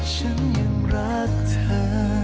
ฉันยังรักเธอ